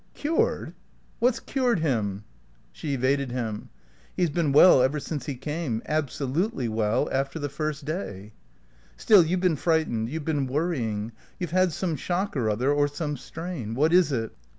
"Cured? What's cured him?" She evaded him. "He's been well ever since he came; absolutely well after the first day." "Still, you've been frightened; you've been worrying; you've had some shock or other, or some strain. What is it?"